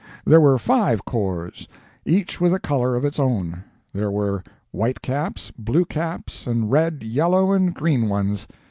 There were five corps, each with a color of its own; there were white caps, blue caps, and red, yellow, and green ones.